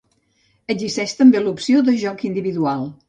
Existeix també l'opció de joc individual.